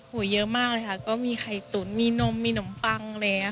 โหเยอะมากเลยค่ะก็มีไข่ตุ๋นมีนมมีหน่อมปังเลยค่ะ